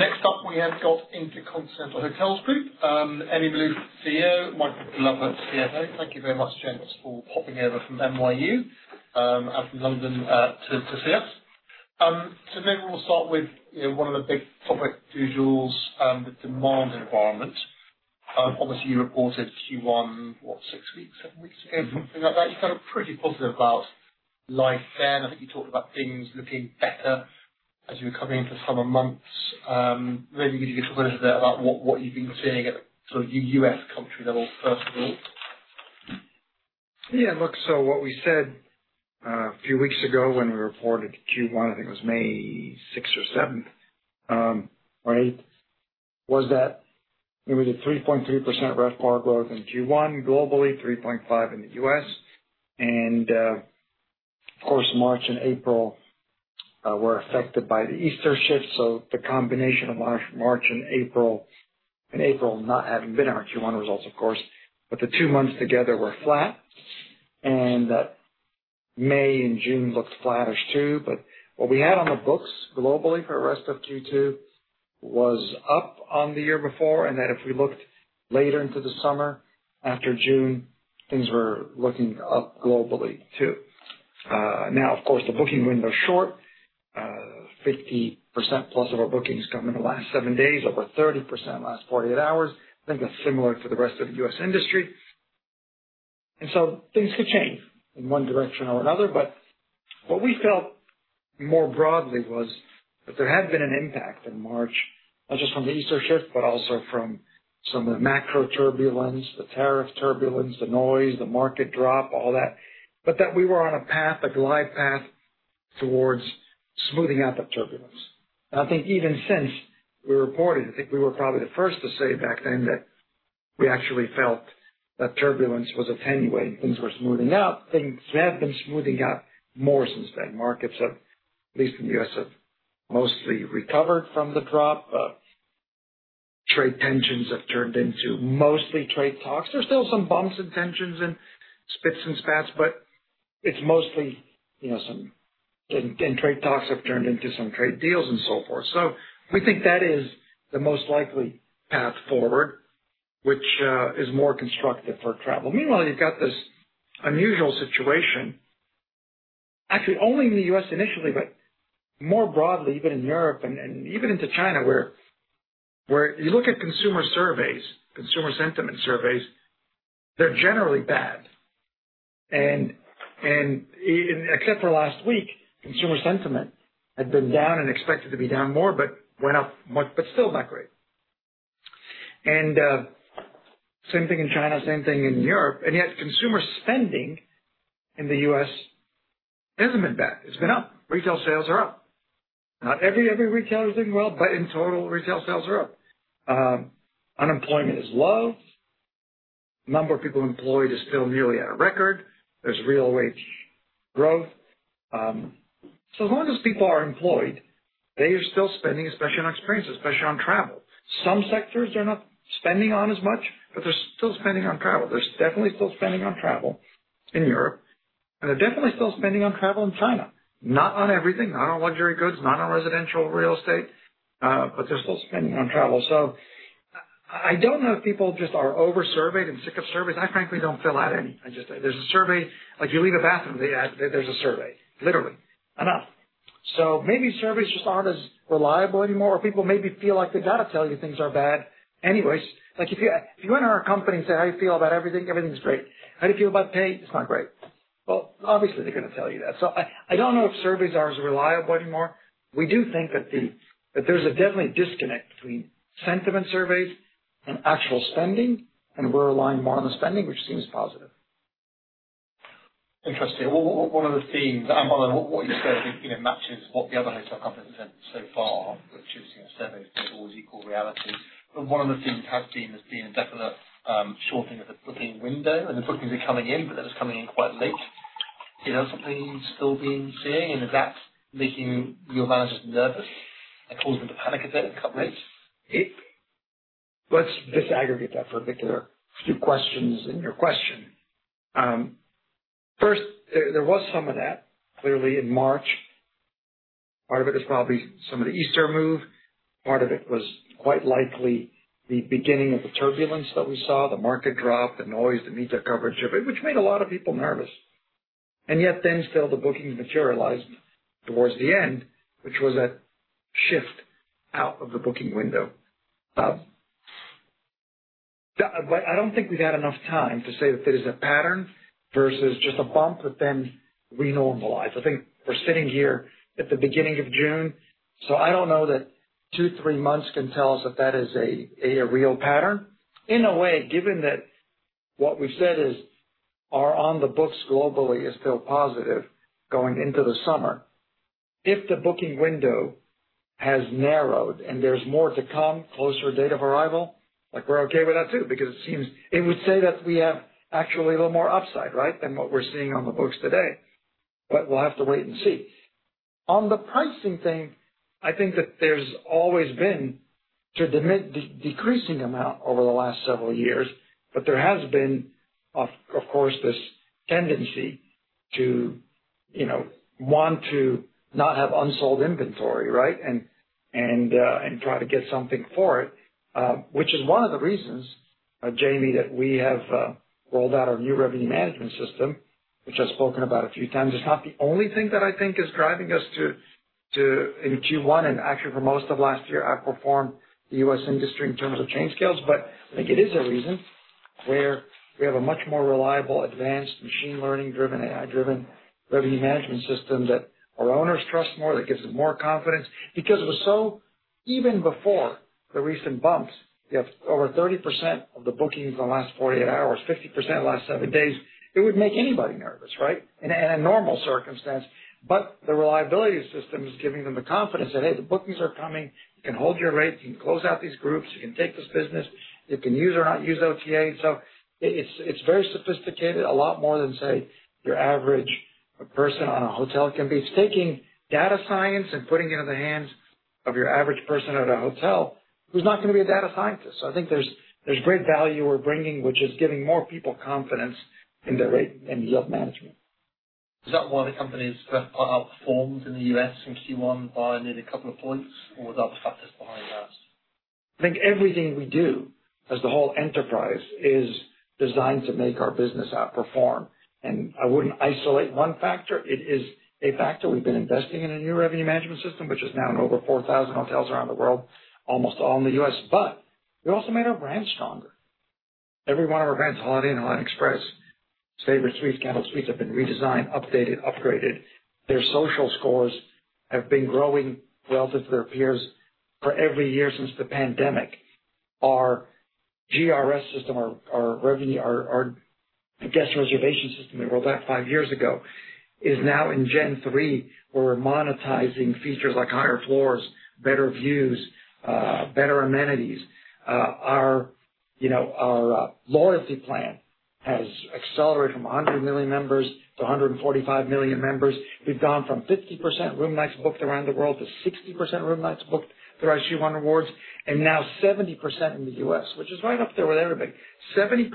Next up, we have got InterContinental Hotels Group. Elie Maalouf, CEO. Michael Glover, CFO. Thank you very much, James, for popping over from NYU, and from London, to see us, so maybe we'll start with, you know, one of the big topics uses the demand environment. Obviously, you reported Q1 what six weeks, seven weeks ago something like that. You sounded pretty positive about life there, and I think you talked about things looking better as you were coming into summer months. Maybe you could talk a little bit about what you've been seeing at the sort of U.S. country level, first of all. Yeah, look, so what we said a few weeks ago when we reported Q1, I think it was May 6th or 7th, right, was that, you know, we did 3.3% RevPAR growth in Q1 globally, 3.5% in the US. And, of course, March and April were affected by the Easter shift. So the combination of March and April, and April not having been our Q1 results, of course, but the two months together were flat. And, May and June looked flattish too. But what we had on the books globally for the rest of Q2 was up on the year before. And then if we looked later into the summer after June, things were looking up globally too. Now, of course, the booking window's short. 50% plus of our bookings come in the last seven days, over 30% last 48 hours. I think that's similar to the rest of the U.S. industry. And so things could change in one direction or another. But what we felt more broadly was that there had been an impact in March, not just from the Easter shift, but also from some of the macro turbulence, the tariff turbulence, the noise, the market drop, all that, but that we were on a path, a glide path, towards smoothing out that turbulence. And I think even since we reported, I think we were probably the first to say back then that we actually felt that turbulence was attenuating. Things were smoothing out. Things have been smoothing out more since then. Markets have, at least in the U.S., have mostly recovered from the drop. Trade tensions have turned into mostly trade talks. There's still some bumps and tensions and spits and spats, but it's mostly, you know, some, and trade talks have turned into some trade deals and so forth. So we think that is the most likely path forward, which is more constructive for travel. Meanwhile, you've got this unusual situation, actually only in the U.S. initially, but more broadly, even in Europe and even into China, where you look at consumer surveys, consumer sentiment surveys, they're generally bad. And except for last week, consumer sentiment had been down and expected to be down more, but went up much, but still not great. And same thing in China, same thing in Europe. And yet consumer spending in the U.S. hasn't been bad. It's been up. Retail sales are up. Not every retailer's doing well, but in total, retail sales are up. Unemployment is low. Number of people employed is still nearly at a record. There's real wage growth. So as long as people are employed, they are still spending, especially on experience, especially on travel. Some sectors they're not spending on as much, but they're still spending on travel. They're definitely still spending on travel in Europe. And they're definitely still spending on travel in China. Not on everything, not on luxury goods, not on residential real estate, but they're still spending on travel. So I, I don't know if people just are oversurveyed and sick of surveys. I, frankly, don't fill out any. I just, there's a survey like you leave a bathroom, they add, there's a survey, literally. Enough. So maybe surveys just aren't as reliable anymore, or people maybe feel like they've got to tell you things are bad anyways. Like if you went to our company and said, "How do you feel about everything?" "Everything's great." "How do you feel about pay?" "It's not great." Well, obviously, they're gonna tell you that. So I don't know if surveys are as reliable anymore. We do think that there's definitely a disconnect between sentiment surveys and actual spending, and we're relying more on the spending, which seems positive. Interesting. Well, one of the themes, and one of the, what you said, you know, matches what the other hotel companies have said so far, which is, you know, surveys don't always equal reality. But one of the themes has been there's been a definite shortening of the booking window, and the bookings are coming in, but they're just coming in quite late. You know, something you've still been seeing? And is that making your managers nervous and causing them to panic a bit in a couple of weeks? Let's disaggregate that for a bit there. A few questions in your question. First, there was some of that, clearly, in March. Part of it is probably some of the Easter move. Part of it was quite likely the beginning of the turbulence that we saw, the market drop, the noise, the media coverage of it, which made a lot of people nervous. And yet then still the bookings materialized towards the end, which was that shift out of the booking window. But I don't think we've had enough time to say that it is a pattern versus just a bump that then we normalize. I think we're sitting here at the beginning of June, so I don't know that two, three months can tell us that that is a real pattern. In a way, given that what we've said is our on-the-books globally is still positive going into the summer, if the booking window has narrowed and there's more to come, closer date of arrival, like we're okay with that too, because it seems it would say that we have actually a little more upside, right, than what we're seeing on the books today. But we'll have to wait and see. On the pricing thing, I think that there's always been a decreasing amount over the last several years, but there has been, of course, this tendency to, you know, want to not have unsold inventory, right, and try to get something for it, which is one of the reasons, Jamie, that we have rolled out our new revenue management system, which I've spoken about a few times. It's not the only thing that I think is driving us to in Q1 and actually for most of last year, outperform the U.S. industry in terms of chain scales. But I think it is a reason where we have a much more reliable, advanced, machine learning-driven, AI-driven revenue management system that our owners trust more, that gives them more confidence, because it was so even before the recent bumps. You have over 30% of the bookings in the last 48 hours, 50% in the last seven days. It would make anybody nervous, right, in a normal circumstance. But the reliability system is giving them the confidence that, hey, the bookings are coming. You can hold your rate. You can close out these groups. You can take this business. You can use or not use OTA. And so it's very sophisticated, a lot more than, say, your average person at a hotel can be. It's taking data science and putting it in the hands of your average person at a hotel who's not gonna be a data scientist. So I think there's great value we're bringing, which is giving more people confidence in their rate and yield management. Is that why the company's outperformed in the U.S. in Q1 by nearly a couple of points, or are there other factors behind that? I think everything we do as the whole enterprise is designed to make our business outperform. I wouldn't isolate one factor. It is a factor. We've been investing in a new revenue management system, which is now in over 4,000 hotels around the world, almost all in the U.S.. But we also made our brand stronger. Every one of our brands, Holiday Inn and Holiday Inn Express, Staybridge Suites, Candlewood Suites have been redesigned, updated, upgraded. Their social scores have been growing relative to their peers for every year since the pandemic. Our GRS system, our revenue, our guest reservation system we rolled out five years ago is now in 3rd-Gen, where we're monetizing features like higher floors, better views, better amenities. Our you know, our loyalty plan has accelerated from 100 million members to 145 million members. We've gone from 50% room nights booked around the world to 60% room nights booked through IHG One Rewards, and now 70% in the U.S., which is right up there with everybody. 70%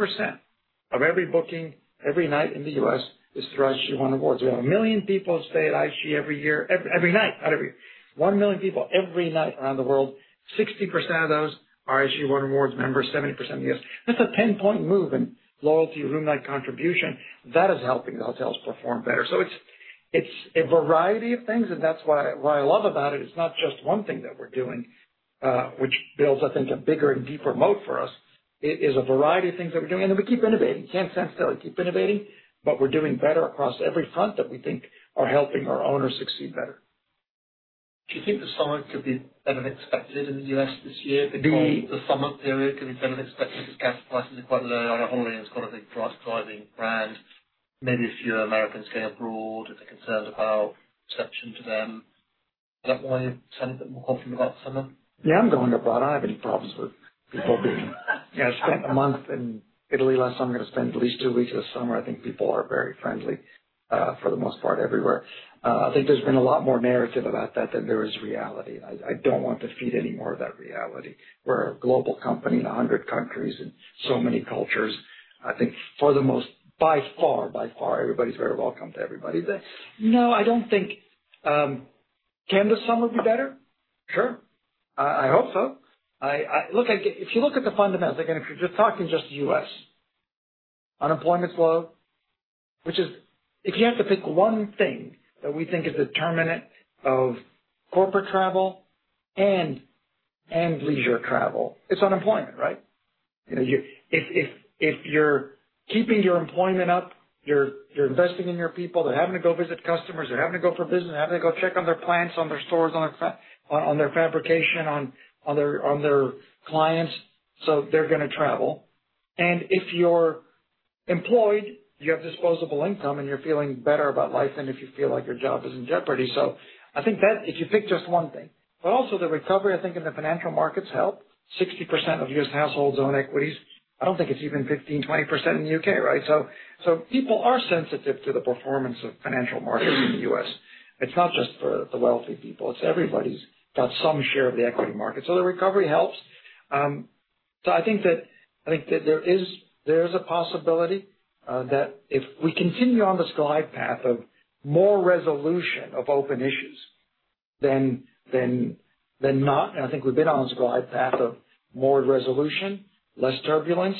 of every booking, every night in the U.S. is through IHG One Rewards. We have a million people stay at IHG every year, every night, not every year. One million people every night around the world. 60% of those are IHG One Rewards members, 70% in the U.S.. That's a 10-point move in loyalty, room night contribution. That is helping the hotels perform better. So it's a variety of things, and that's why I love about it. It's not just one thing that we're doing, which builds, I think, a bigger and deeper moat for us. It's a variety of things that we're doing. Then we keep innovating. Can't stand still. We keep innovating, but we're doing better across every front that we think are helping our owners succeed better. Do you think the summer could be better than expected in the U.S. this year? The summer period could be better than expected because gas prices are quite low. Holiday Inn's got a big price-driving brand. Maybe a few Americans going abroad and they're concerned about reception to them. Is that why you're sounding a bit more confident about the summer? Yeah, I'm going abroad. I don't have any problems with people being, you know, spend a month in Italy last summer. I'm gonna spend at least two weeks this summer. I think people are very friendly, for the most part everywhere. I think there's been a lot more narrative about that than there is reality. I, I don't want to feed any more of that reality. We're a global company in 100 countries and so many cultures. I think for the most, by far, by far, everybody's very welcome to everybody. But no, I don't think, can the summer be better? Sure. I, I hope so. I, I look, if you look at the fundamentals, again, if you're just talking just U.S., unemployment's low, which is if you have to pick one thing that we think is determinant of corporate travel and, and leisure travel, it's unemployment, right? You know, if you're keeping your employment up, you're investing in your people, they're having to go visit customers, they're having to go for business, they're having to go check on their plants, on their stores, on their factories, on their fabrication, on their clients, so they're gonna travel. And if you're employed, you have disposable income and you're feeling better about life than if you feel like your job is in jeopardy. So I think that if you pick just one thing, but also the recovery, I think in the financial markets help. 60% of U.S. households own equities. I don't think it's even 15%-20% in the U.K., right? So people are sensitive to the performance of financial markets in the U.S. It's not just for the wealthy people. It's everybody's got some share of the equity market. The recovery helps. I think that there is a possibility that if we continue on this glide path of more resolution of open issues, then not. I think we've been on this glide path of more resolution, less turbulence.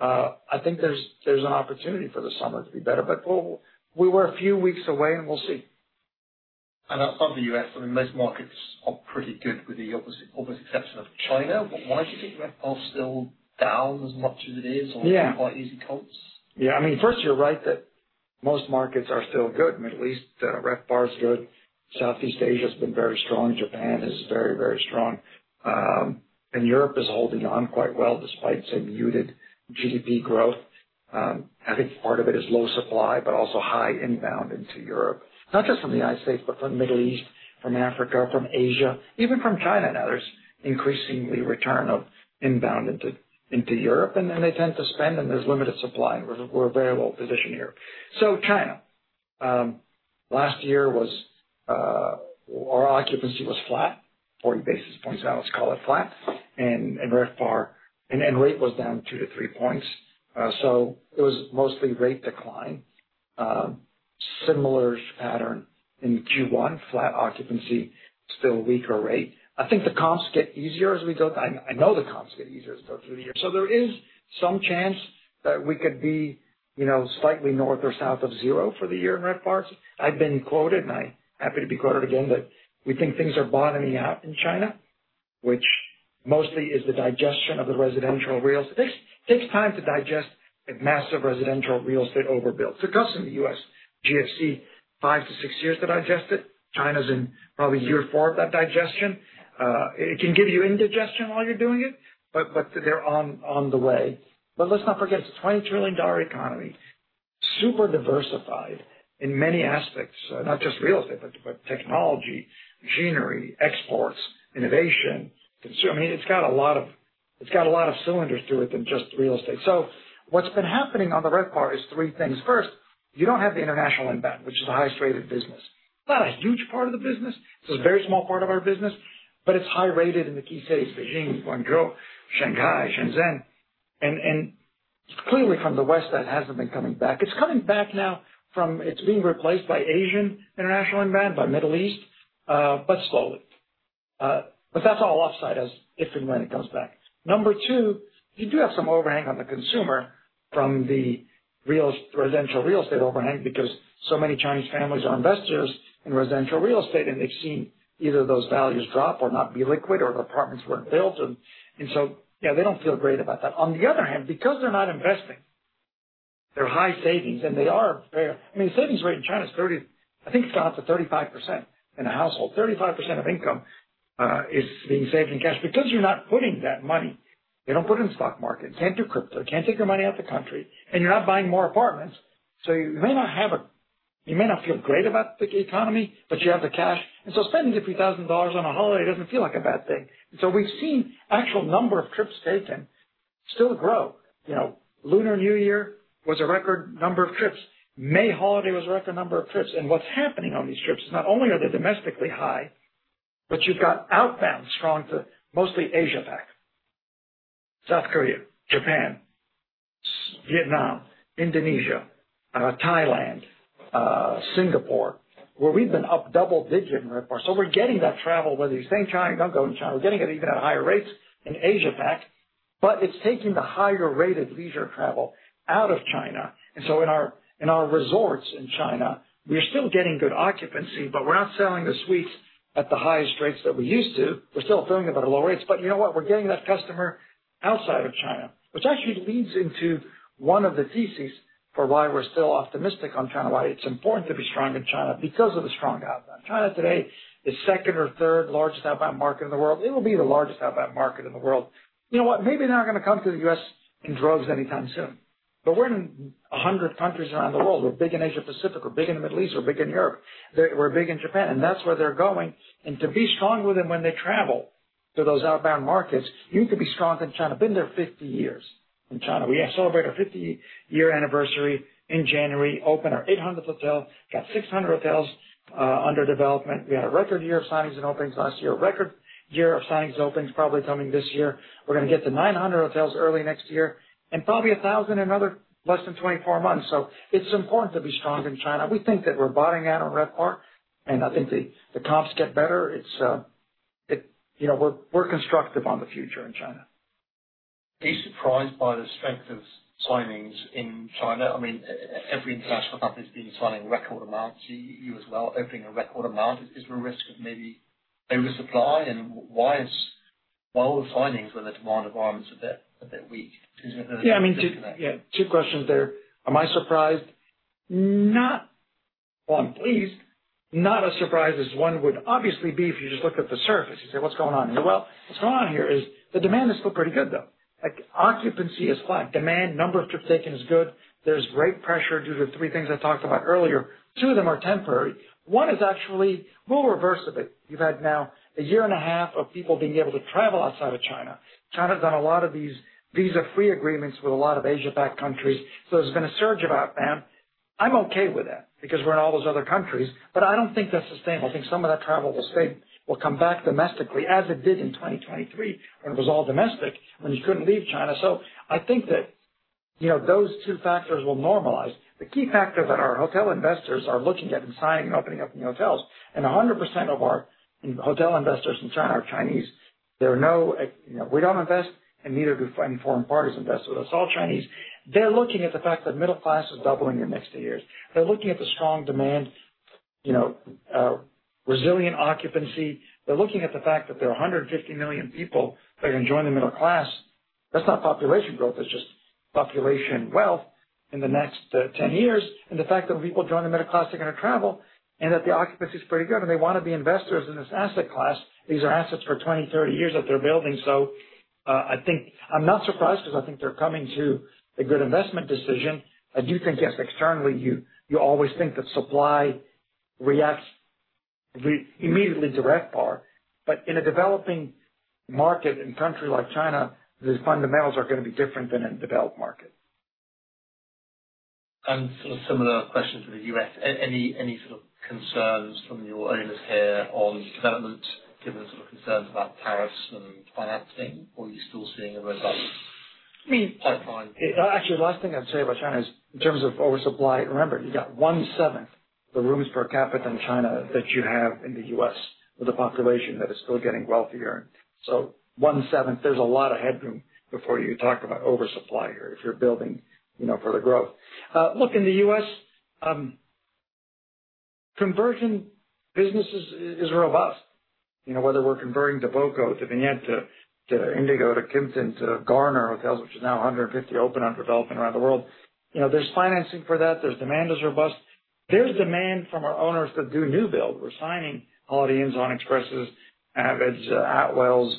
I think there's an opportunity for the summer to be better. We're a few weeks away, and we'll see. Outside the U.S., I mean, most markets are pretty good with the obvious exception of China. Why do you think RevPAR's still down as much as it is, or? Yeah. Quite easy comps? Yeah. I mean, first, you're right that most markets are still good. Middle East, RevPAR's good. Southeast Asia's been very strong. Japan is very, very strong. And Europe is holding on quite well despite some muted GDP growth. I think part of it is low supply, but also high inbound into Europe, not just from the United States, but from the Middle East, from Africa, from Asia, even from China. Now there's increasingly return of inbound into Europe. And then they tend to spend, and there's limited supply. We're a very low position here. So China, last year, our occupancy was flat, 40 basis points. Now let's call it flat. And RevPAR and rate was down two to three points. So it was mostly rate decline. Similar pattern in Q1, flat occupancy, still weaker rate. I think the comps get easier as we go. I know the comps get easier as we go through the year. So there is some chance that we could be, you know, slightly north or south of zero for the year in RevPAR. I've been quoted, and I'm happy to be quoted again, that we think things are bottoming out in China, which mostly is the digestion of the residential real estate. It takes time to digest a massive residential real estate overbuilt. It's a custom in the U.S. GFC, five to six years to digest it. China's in probably year four of that digestion. It can give you indigestion while you're doing it, but they're on the way, but let's not forget it's a $20 trillion economy, super diversified in many aspects, not just real estate, but technology, machinery, exports, innovation, consumer. I mean, it's got a lot of cylinders to it than just real estate. So what's been happening on the RevPAR is three things. First, you don't have the international inbound, which is a highest-rated business. Not a huge part of the business. It's a very small part of our business, but it's high-rated in the key cities, Beijing, Guangzhou, Shanghai, Shenzhen. And clearly from the West, that hasn't been coming back. It's coming back now from it's being replaced by Asian international inbound, by Middle East, but slowly. But that's all upside as if and when it comes back. Number two, you do have some overhang on the consumer from the real residential real estate overhang because so many Chinese families are investors in residential real estate, and they've seen either those values drop or not be liquid or their apartments weren't built. And so, yeah, they don't feel great about that. On the other hand, because they're not investing, they're high savings, and they are very I mean, the savings rate in China's 30% I think it's gone up to 35% in a household. 35% of income is being saved in cash because you're not putting that money. They don't put it in the stock market, can't do crypto, can't take your money out of the country, and you're not buying more apartments. So you may not feel great about the economy, but you have the cash. And so spending a few thousand dollars on a holiday doesn't feel like a bad thing. And so we've seen actual number of trips taken still grow. You know, Lunar New Year was a record number of trips. May holiday was a record number of trips. And what's happening on these trips is not only are they domestically high, but you've got outbound strong to mostly Asia Pac: South Korea, Japan, Vietnam, Indonesia, Thailand, Singapore, where we've been up double-digit in RevPAR. So we're getting that travel, whether you're staying in China, you don't go to China. We're getting it even at higher rates in Asia Pac. But it's taking the higher-rated leisure travel out of China. And so in our, in our resorts in China, we're still getting good occupancy, but we're not selling the suites at the highest rates that we used to. We're still filling them at low rates. But you know what? We're getting that customer outside of China, which actually leads into one of the theses for why we're still optimistic on China, why it's important to be strong in China because of the strong outbound. China today is second or third largest outbound market in the world. It'll be the largest outbound market in the world. You know what? Maybe they're not gonna come to the U.S. in droves anytime soon. But we're in 100 countries around the world. We're big in Asia Pacific. We're big in the Middle East. We're big in Europe. They're, we're big in Japan. And that's where they're going. And to be strong with them when they travel to those outbound markets, you can be stronger in China. Been there 50 years in China. We celebrated our 50-year anniversary in January, opened our 800th hotel, got 600 hotels under development. We had a record year of signings and openings last year, a record year of signings and openings probably coming this year. We're gonna get to 900 hotels early next year and probably 1,000 in another less than 24 months. So it's important to be strong in China. We think that we're bottoming out on RevPAR. And I think the comps get better. It, you know, we're constructive on the future in China. Are you surprised by the strength of signings in China? I mean, every international company's been signing record amounts. You as well, opening a record amount. Is there a risk of maybe oversupply? And why will the signings when the demand environment's a bit weak? Is there a disconnect? Yeah. I mean, two, yeah, two questions there. Am I surprised? Not, well, I'm pleased. Not a surprise as one would obviously be if you just looked at the surface. You say, "What's going on here?" Well, what's going on here is the demand is still pretty good, though. Like, occupancy is flat. Demand, number of trips taken is good. There's rate pressure due to three things I talked about earlier. Two of them are temporary. One is actually we'll reverse a bit. You've had now a year and a half of people being able to travel outside of China. China's done a lot of these visa-free agreements with a lot of Asia-Pacific countries. So there's been a surge of outbound. I'm okay with that because we're in all those other countries. But I don't think that's sustainable. I think some of that travel will stay, will come back domestically as it did in 2023 when it was all domestic, when you couldn't leave China. So I think that, you know, those two factors will normalize. The key factor that our hotel investors are looking at and signing and opening up in the hotels, and 100% of our hotel investors in China are Chinese. There are no, you know, we don't invest, and neither do foreign parties invest with us. It's all Chinese. They're looking at the fact that middle class is doubling in the next two years. They're looking at the strong demand, you know, resilient occupancy. They're looking at the fact that there are 150 million people that are gonna join the middle class. That's not population growth. That's just population wealth in the next, 10 years. The fact that when people join the middle class, they're gonna travel and that the occupancy's pretty good, and they wanna be investors in this asset class. These are assets for 20, 30 years that they're building. I think I'm not surprised because I think they're coming to a good investment decision. I do think, yes, externally, you, you always think that supply reacts immediately to RevPAR. In a developing market in a country like China, the fundamentals are gonna be different than in a developed market. And sort of similar question to the U.S. Any sort of concerns from your owners here on development, given sort of concerns about tariffs and financing, or are you still seeing a robust? I mean, actually, the last thing I'd say about China is in terms of oversupply. Remember, you got one-seventh the rooms per capita in China that you have in the U.S. with the population that is still getting wealthier. So one-seventh, there's a lot of headroom before you talk about oversupply here if you're building, you know, for the growth. Look, in the U.S., conversion business is robust. You know, whether we're converting to Voco, to Vignette, to Indigo, to Kimpton, to Garner Hotels, which is now 150 open under development around the world, you know, there's financing for that. The demand is robust. There's demand from our owners that do new build. We're signing Holiday Inns, Inn Expresses, Avids, Atwells,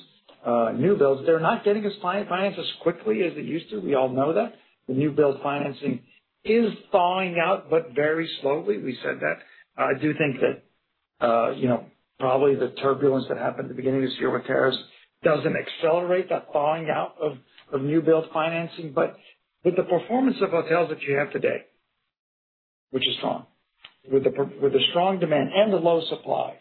New builds. They're not getting financing as quickly as they used to. We all know that. The new build financing is thawing out, but very slowly. We said that. I do think that, you know, probably the turbulence that happened at the beginning of this year with tariffs doesn't accelerate that thawing out of new build financing. But with the performance of hotels that you have today, which is strong, with the strong demand and the low supply,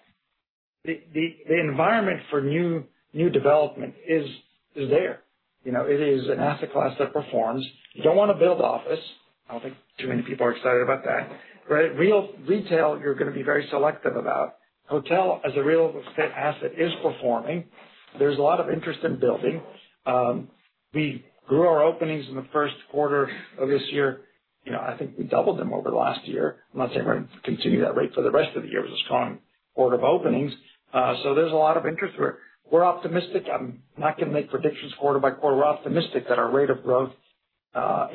the environment for new development is there. You know, it is an asset class that performs. You don't wanna build office. I don't think too many people are excited about that. Right? Real retail, you're gonna be very selective about. Hotel, as a real estate asset, is performing. There's a lot of interest in building. We grew our openings in the Q1 of this year. You know, I think we doubled them over the last year. I'm not saying we're gonna continue that rate for the rest of the year with this strong quarter of openings, so there's a lot of interest here. We're optimistic. I'm not gonna make predictions quarter by quarter. We're optimistic that our rate of growth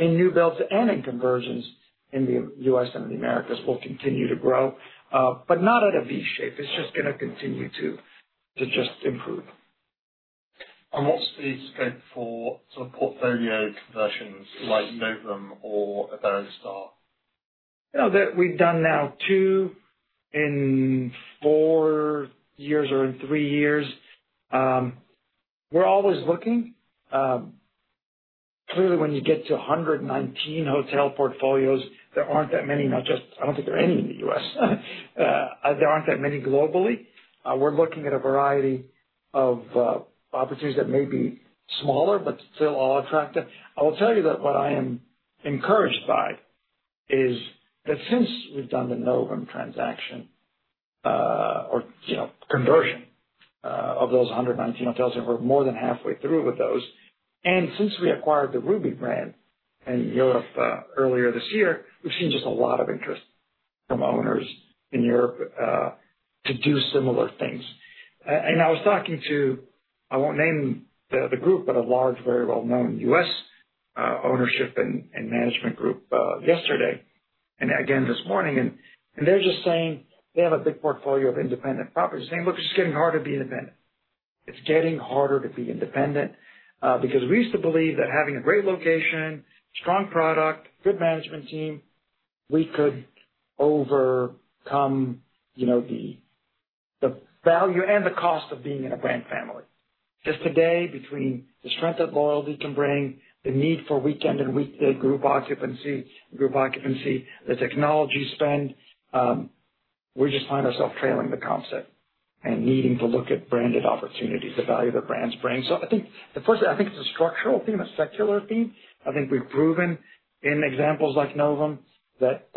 in new builds and in conversions in the U.S. and in the Americas will continue to grow, but not at a V-shape. It's just gonna continue to just improve. What's the scope for sort of portfolio conversions like NOVUM or Iberostar? You know, that we've done now two in four years or in three years. We're always looking. Clearly, when you get to 119 hotel portfolios, there aren't that many, not just I don't think there are any in the U.S. There aren't that many globally. We're looking at a variety of opportunities that may be smaller but still all attractive. I will tell you that what I am encouraged by is that since we've done the NOVUM transaction, or, you know, conversion, of those 119 hotels, and we're more than halfway through with those. And since we acquired the Ruby brand in Europe, earlier this year, we've seen just a lot of interest from owners in Europe, to do similar things. And I was talking to, I won't name the, the group, but a large very well-known U.S. ownership and management group, yesterday, and again this morning. They're just saying they have a big portfolio of independent properties. They're saying, "Look, it's just getting harder to be independent." It's getting harder to be independent, because we used to believe that having a great location, strong product, good management team, we could overcome, you know, the value and the cost of being in a brand family. Just today, between the strength that loyalty can bring, the need for weekend and weekday group occupancy, the technology spend, we just find ourselves trailing the comp set and needing to look at branded opportunities, the value that brands bring. So I think the first. I think it's a structural theme, a secular theme. I think we've proven in examples like NOVUM that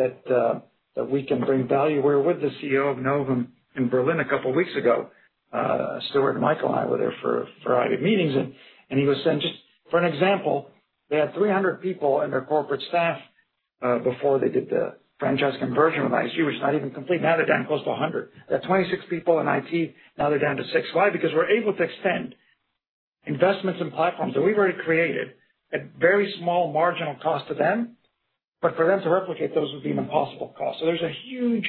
we can bring value. We were with the CEO of NOVUM in Berlin a couple of weeks ago. Stuart and Michael and I were there for a variety of meetings. And he was saying, just for an example, they had 300 people in their corporate staff, before they did the franchise conversion with IHG, which is not even complete. Now they're down close to 100. They had 26 people in IT. Now they're down to six. Why? Because we're able to extend investments and platforms that we've already created at very small marginal cost to them. But for them to replicate those would be an impossible cost. So there's a huge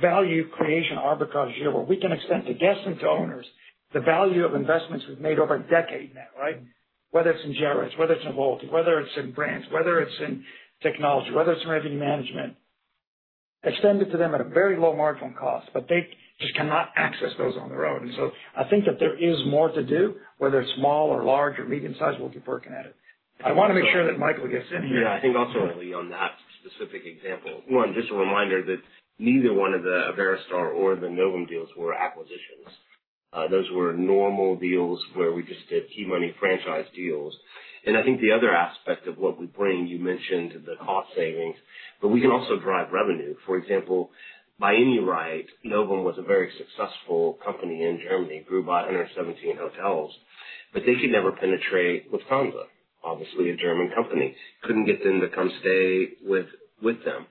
value creation arbitrage here where we can extend to guests and to owners the value of investments we've made over a decade now, right? Whether it's in generics, whether it's in loyalty, whether it's in brands, whether it's in technology, whether it's in revenue management, extend it to them at a very low marginal cost, but they just cannot access those on their own. And so I think that there is more to do, whether it's small or large or medium-sized. We'll keep working at it. I wanna make sure that Michael gets in here. Yeah. I think ultimately on that specific example, one, just a reminder that neither one of the Iberostar or the NOVUM deals were acquisitions. Those were normal deals where we just did key money franchise deals. And I think the other aspect of what we bring, you mentioned the cost savings, but we can also drive revenue. For example, by any right, NOVUM was a very successful company in Germany, grew by 117 hotels, but they could never penetrate Lufthansa, obviously a German company. Couldn't get them to come stay with them.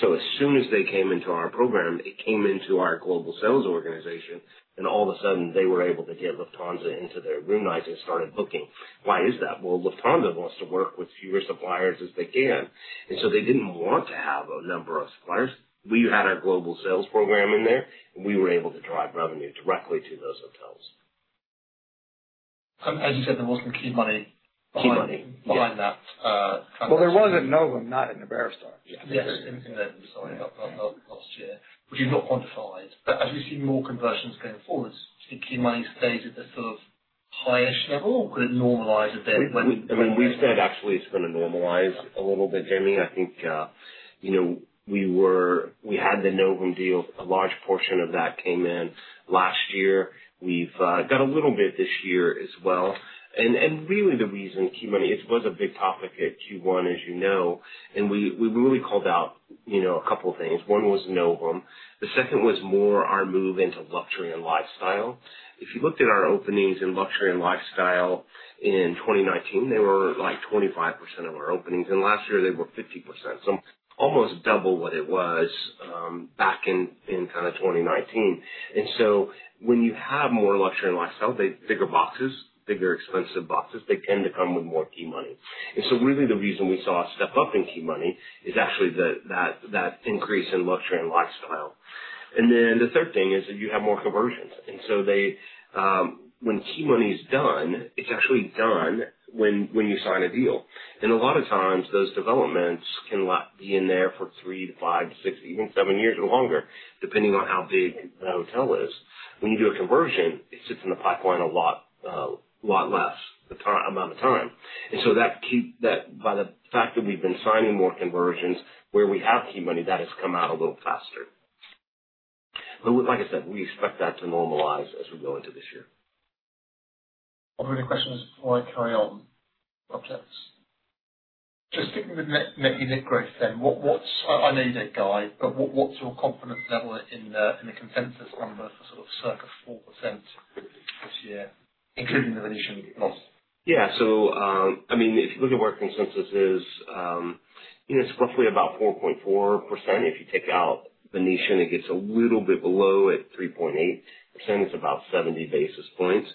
So as soon as they came into our program, it came into our global sales organization, and all of a sudden, they were able to get Lufthansa into their room nights and started booking. Why is that? Well, Lufthansa wants to work with fewer suppliers as they can. And so they didn't want to have a number of suppliers. We had our global sales program in there, and we were able to drive revenue directly to those hotels. As you said, there wasn't a key money. Key money. Behind that, There was at NOVUM, not at Iberostar. Yes. In the last year, which is not quantified. But as we see more conversions going forward, do you think key money stays at this sort of high-ish level, or could it normalize a bit when? When we said actually it's gonna normalize a little bit, James, I think, you know, we had the NOVUM deal. A large portion of that came in last year. We've got a little bit this year as well. And really the reason key money, it was a big topic at Q1, as you know. And we really called out, you know, a couple of things. One was NOVUM. The second was more our move into luxury and lifestyle. If you looked at our openings in luxury and lifestyle in 2019, they were like 25% of our openings. And last year, they were 50%. So almost double what it was back in kinda 2019. And so when you have more luxury and lifestyle, they're bigger boxes, bigger expensive boxes. They tend to come with more key money. And so really the reason we saw a step up in key money is actually that increase in luxury and lifestyle. And then the third thing is that you have more conversions. And so they, when key money's done, it's actually done when you sign a deal. And a lot of times, those developments can be in there for three to five to six to even seven years or longer, depending on how big the hotel is. When you do a conversion, it sits in the pipeline a lot less time. And so that, by the fact that we've been signing more conversions where we have key money, that has come out a little faster. But we, like I said, we expect that to normalize as we go into this year. Other questions before I carry on? Objections. Just sticking with net unit growth then, I know you don't guide, but what's your confidence level in the consensus number for sort of circa 4% this year, including the Venetian loss? Yeah. So, I mean, if you look at where consensus is, you know, it's roughly about 4.4%. If you take out Venetian, it gets a little bit below at 3.8%. It's about 70 basis points.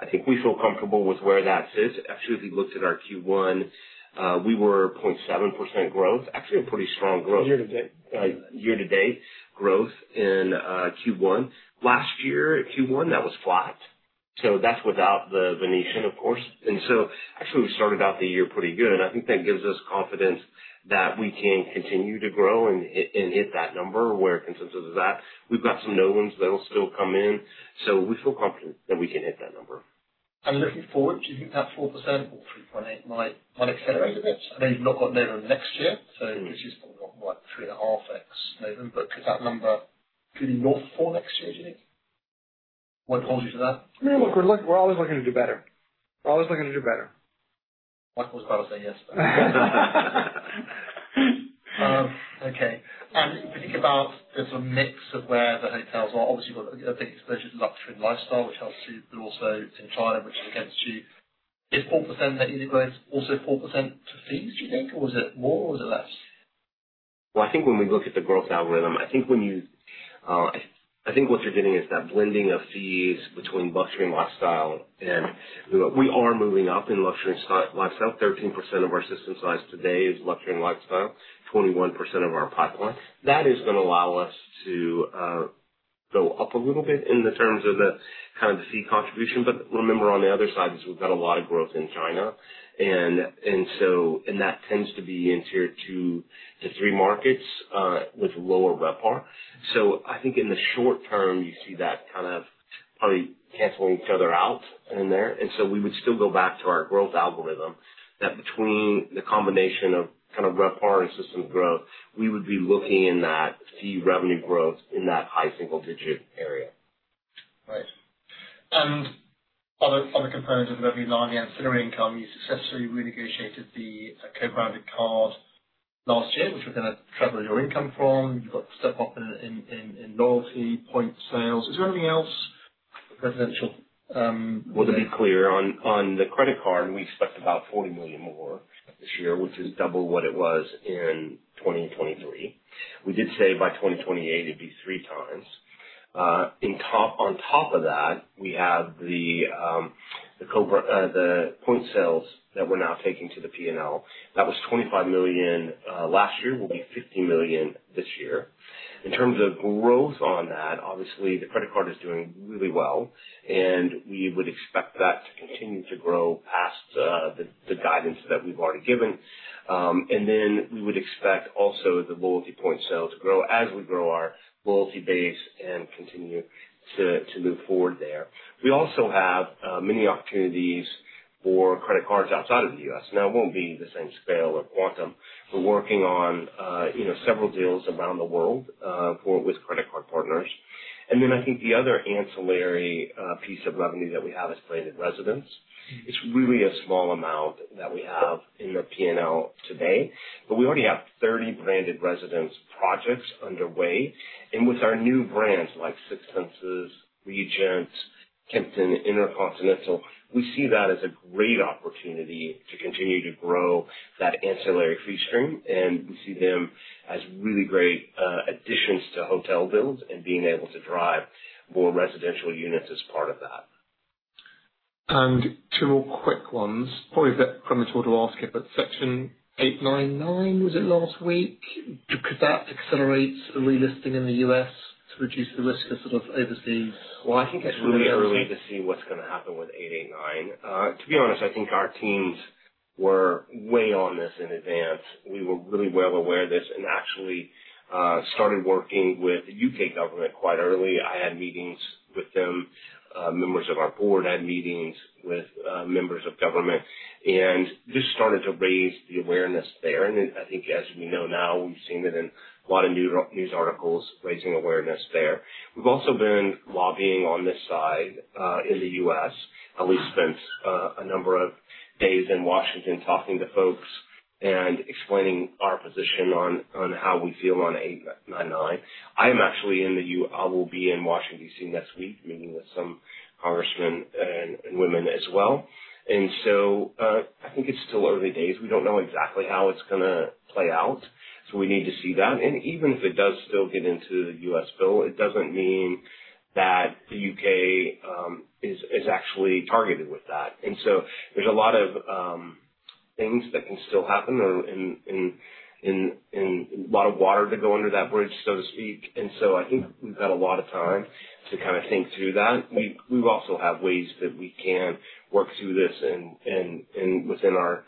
I think we feel comfortable with where that sits. Actually, if you looked at our Q1, we were 0.7% growth. Actually, a pretty strong growth. Year to date. Year-to-date growth in Q1. Last year Q1 that was flat, so that's without the Venetian, of course, and so actually, we started out the year pretty good. I think that gives us confidence that we can continue to grow and, and hit that number where consensus is at. We've got some NOVUMs that'll still come in, so we feel confident that we can hit that number. Looking forward, do you think that 4% or 3.8% might accelerate a bit? I know you've not got NOVUM next year, so this is not like three and a half X NOVUM, but could that number be north of 4% next year, do you think? What holds you to that? I mean, look, we're always looking to do better. Michael's about to say yes, but okay, and if you think about the sort of mix of where the hotels are, obviously you've got a big exposure to luxury and lifestyle, which helps you, but also in China, which is against you. Is 4% net unit growth also 4% to fees, do you think, or is it more, or is it less? I think when we look at the growth algorithm, I think when you, I think what you're getting is that blending of fees between luxury and lifestyle. And we are moving up in luxury and lifestyle. 13% of our system size today is luxury and lifestyle, 21% of our pipeline. That is gonna allow us to go up a little bit in the terms of the kind of the fee contribution. But remember, on the other side, is we've got a lot of growth in China. And, and so, and that tends to be in tier two to three markets, with lower RevPAR. So I think in the short term, you see that kind of probably canceling each other out in there. And so we would still go back to our growth algorithm that between the combination of kind of RevPAR and system growth, we would be looking in that fee revenue growth in that high single-digit area. Right. And other components of revenue line and similar income, you successfully renegotiated the co-branded card last year, which we're gonna travel your income from. You've got the step up in loyalty point sales. Is there anything else? Residential, To be clear, on the credit card, we expect about 40 million more this year, which is double what it was in 2023. We did say by 2028, it'd be three times. On top of that, we have the co-branded point sales that we're now taking to the P&L. That was 25 million last year. We'll be 50 million this year. In terms of growth on that, obviously, the credit card is doing really well. And we would expect that to continue to grow past the guidance that we've already given. Then we would expect also the loyalty point sales to grow as we grow our loyalty base and continue to move forward there. We also have many opportunities for credit cards outside of the U.S. Now, it won't be the same scale or quantum. We're working on, you know, several deals around the world, for with credit card partners. And then I think the other ancillary, piece of revenue that we have is branded residences. It's really a small amount that we have in the P&L today. But we already have 30 branded residences projects underway. And with our new brands like Six Senses, Regent, Kimpton, InterContinental, we see that as a great opportunity to continue to grow that ancillary fee stream. And we see them as really great, additions to hotel builds and being able to drive more residential units as part of that. Two more quick ones, probably a bit premature to ask it, but Section 889, was it last week? Could that accelerate relisting in the U.S. to reduce the risk of sort of overseas? Well, I think it's really early to see what's gonna happen with Section 889. To be honest, I think our teams were way on this in advance. We were really well aware of this and actually started working with the U.K. government quite early. I had meetings with them. Members of our board had meetings with members of government. And this started to raise the awareness there. And I think as we know now, we've seen it in a lot of news, news articles raising awareness there. We've also been lobbying on this side, in the U.S. Elie spent a number of days in Washington talking to folks and explaining our position on how we feel on 889. I am actually in the U.S. I will be in Washington, D.C., next week, meeting with some congressmen and women as well. And so, I think it's still early days. We don't know exactly how it's gonna play out. So we need to see that. And even if it does still get into the U.S. bill, it doesn't mean that the U.K. is actually targeted with that. And so there's a lot of things that can still happen or in a lot of water to go under that bridge, so to speak. And so I think we've got a lot of time to kinda think through that. We also have ways that we can work through this and within our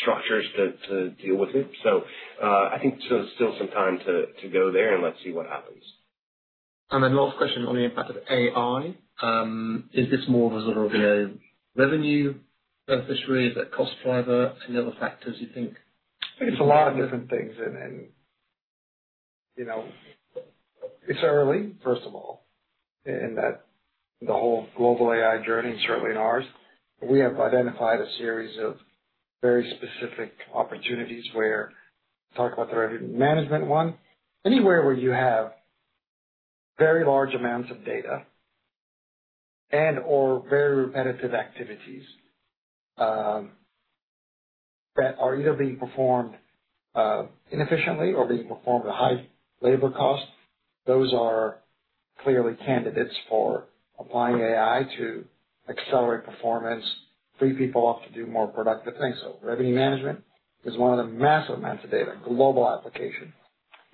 structures to deal with it. So I think so still some time to go there and let's see what happens. And then, last question on the impact of AI. Is this more of a sort of, you know, revenue beneficiary? Is it cost driver? Any other factors you think? I think it's a lot of different things. And, you know, it's early, first of all, in that the whole global AI journey, and certainly in ours. We have identified a series of very specific opportunities where we talk about the revenue management one. Anywhere where you have very large amounts of data and/or very repetitive activities, that are either being performed inefficiently or being performed at a high labor cost, those are clearly candidates for applying AI to accelerate performance, free people off to do more productive things. So revenue management is one of the massive amounts of data, global application.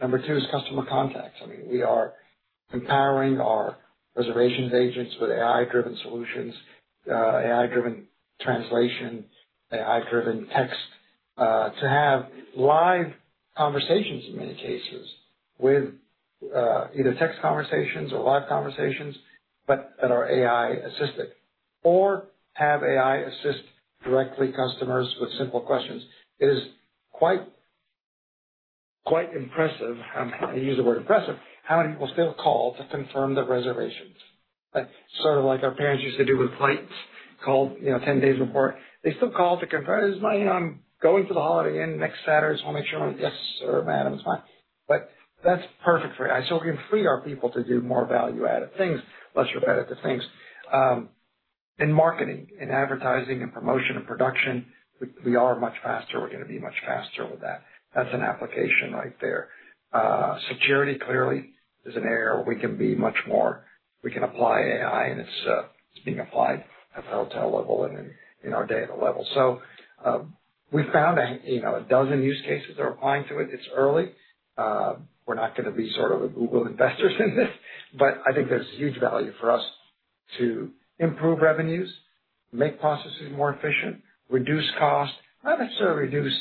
Number two is customer contacts. I mean, we are empowering our reservations agents with AI-driven solutions, AI-driven translation, AI-driven text, to have live conversations in many cases with either text conversations or live conversations, but that are AI-assisted or have AI assist directly customers with simple questions. It is quite, quite impressive. I'm gonna use the word impressive. How many people still call to confirm their reservations? Sort of like our parents used to do with flights, called, you know, 10 days prior. They still call to confirm, "It's, you know, I'm going to the Holiday Inn next Saturday. Just wanna make sure I'm..." "Yes, sir, ma'am. It's fine." But that's perfect for it. I still can free our people to do more value-added things, less repetitive things. In marketing, in advertising, in promotion, in production, we, we are much faster. We're gonna be much faster with that. That's an application right there. Security clearly is an area where we can be much more. We can apply AI, and it's, it's being applied at the hotel level and in, in our data level. So, we found, you know, a dozen use cases that are applying to it. It's early. We're not gonna be sort of the Google investors in this, but I think there's huge value for us to improve revenues, make processes more efficient, reduce cost, not necessarily reduce,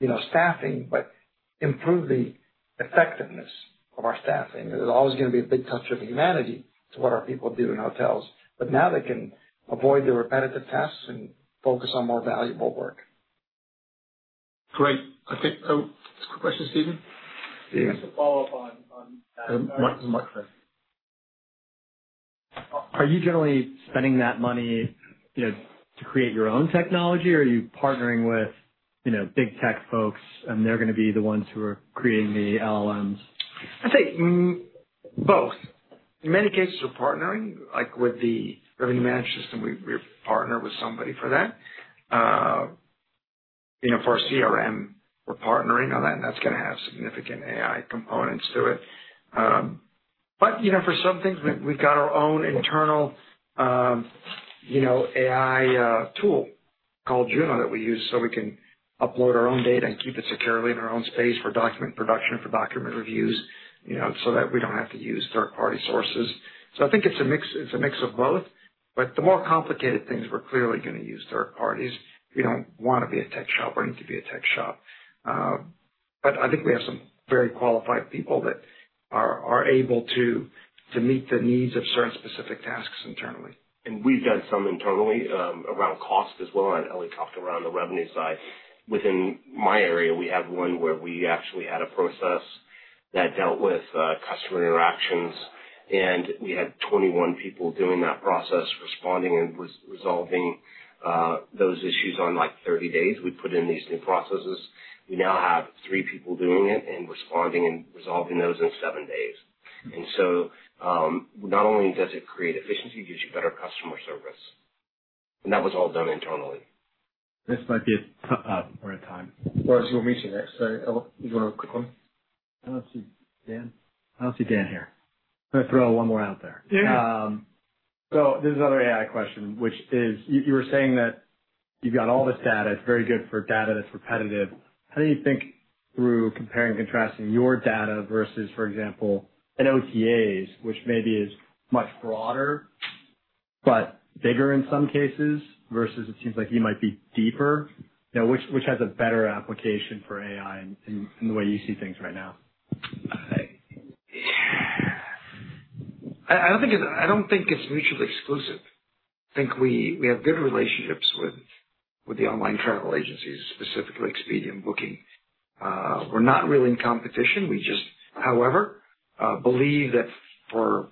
you know, staffing, but improve the effectiveness of our staffing. There's always gonna be a big touch of humanity to what our people do in hotels. But now they can avoid the repetitive tasks and focus on more valuable work. Great. I think, quick question, Steven. Just a follow-up on that. Are you generally spending that money, you know, to create your own technology, or are you partnering with, you know, big tech folks, and they're gonna be the ones who are creating the LLMs? I think both. In many cases, we're partnering. Like with the revenue management system, we partner with somebody for that. You know, for our CRM, we're partnering on that, and that's gonna have significant AI components to it. But you know, for some things, we've got our own internal you know, AI tool called Juno that we use so we can upload our own data and keep it securely in our own space for document production, for document reviews, you know, so that we don't have to use third-party sources. So I think it's a mix of both. But the more complicated things, we're clearly gonna use third parties. We don't wanna be a tech shop or need to be a tech shop. But I think we have some very qualified people that are able to meet the needs of certain specific tasks internally. We've done some internally, around cost as well. Elie talked around the revenue side. Within my area, we have one where we actually had a process that dealt with customer interactions. We had 21 people doing that process, responding and resolving those issues in like 30 days. We put in these new processes. We now have three people doing it and responding and resolving those in seven days. So, not only does it create efficiency, it gives you better customer service. That was all done internally. This might be it. We're at time. Or as you were mentioning there. So Elie, you wanna quick one? I don't see Dan. I don't see Dan here. I'm gonna throw one more out there. Yeah. So this is another AI question, which is, you were saying that you've got all this data. It's very good for data that's repetitive. How do you think through comparing and contrasting your data versus, for example, an OTAs, which maybe is much broader but bigger in some cases versus it seems like you might be deeper? You know, which has a better application for AI in the way you see things right now? I don't think it's mutually exclusive. I think we have good relationships with the online travel agencies, specifically Expedia, Booking. We're not really in competition. We just, however, believe that for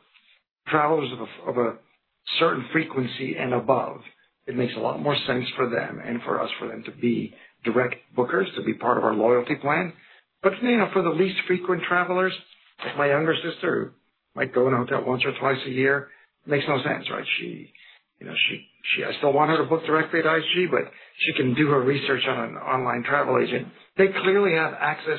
travelers of a certain frequency and above, it makes a lot more sense for them and for us to be direct bookers, to be part of our loyalty plan. But, you know, for the least frequent travelers, like my younger sister who might stay in a hotel once or twice a year, it makes no sense, right? You know, I still want her to book directly at IHG, but she can do her research on an online travel agency. They clearly have access,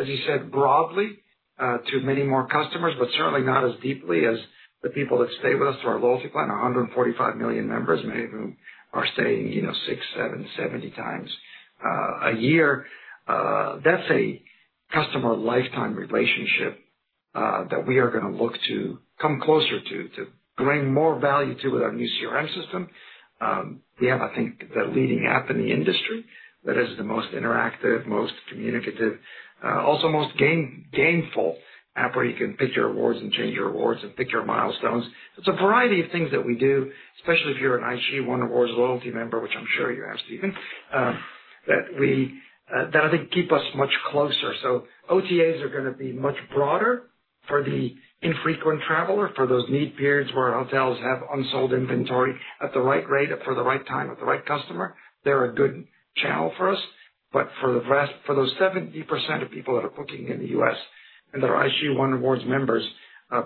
as you said, broadly, to many more customers, but certainly not as deeply as the people that stay with us through our loyalty plan, 145 million members, many of whom are staying, you know, six, seven, 70 times, a year. That's a customer lifetime relationship, that we are gonna look to come closer to, to bring more value to with our new CRM system. We have, I think, the leading app in the industry that is the most interactive, most communicative, also most gainful app where you can pick your awards and change your awards and pick your milestones. It's a variety of things that we do, especially if you're an IHG One Rewards loyalty member, which I'm sure you have, Steven, that we, that I think keep us much closer. OTAs are gonna be much broader for the infrequent traveler, for those need periods where hotels have unsold inventory at the right rate, for the right time, with the right customer. They're a good channel for us. But for the rest, for those 70% of people that are booking in the U.S. and that are IHG One Rewards members,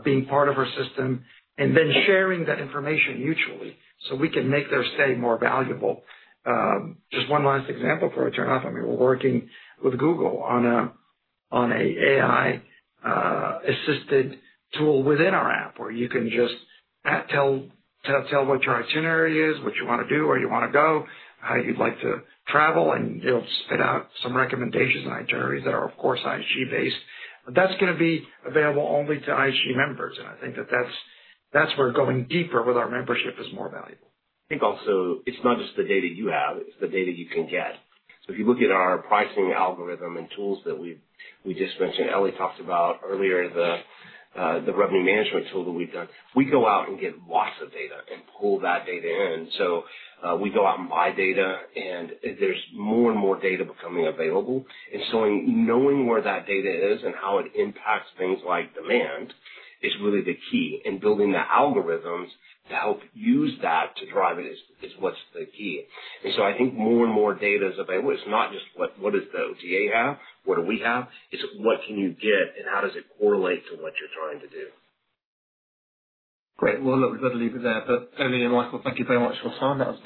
being part of our system and then sharing that information mutually so we can make their stay more valuable. Just one last example before I turn off. I mean, we're working with Google on an AI-assisted tool within our app where you can just tell what your itinerary is, what you wanna do, where you wanna go, how you'd like to travel, and it'll spit out some recommendations and itineraries that are, of course, IHG-based. But that's gonna be available only to IHG members. I think that that's where going deeper with our membership is more valuable. I think also it's not just the data you have. It's the data you can get. If you look at our pricing algorithm and tools that we've just mentioned, Elie talked about earlier, the revenue management tool that we've done, we go out and get lots of data and pull that data in. We go out and buy data, and there's more and more data becoming available. In knowing where that data is and how it impacts things like demand is really the key. Building the algorithms to help use that to drive it is what's the key. I think more and more data is available. It's not just what does the OTA have? What do we have? It's what can you get and how does it correlate to what you're trying to do? Great. Well, look, we've gotta leave it there. But Elie and Michael, thank you very much for your time. That was.